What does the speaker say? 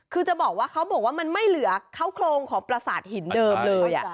คือจะบอกว่าเขาบอกว่ามันไม่เหลือเข้าโครงของประสาทหินเดิมเลย